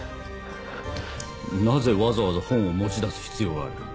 なぜわざわざ本を持ち出す必要がある？